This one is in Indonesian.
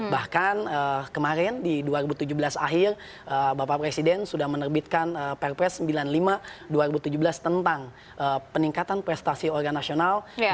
bahkan kemarin di dua ribu tujuh belas akhir bapak presiden sudah menerbitkan perpres sembilan puluh lima dua ribu tujuh belas tentang peningkatan prestasi olahraga nasional